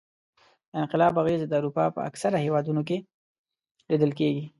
د انقلاب اغېزې د اروپا په اکثرو هېوادونو کې لیدل کېدې.